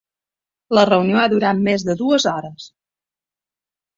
La reunió ha durat més de dues hores.